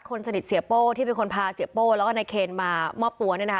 คนสนิทเสียโป้ที่เป็นคนพาเสียโป้แล้วก็นายเคนมามอบตัวเนี่ยนะคะ